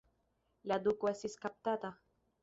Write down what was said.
La duko estis kaptata.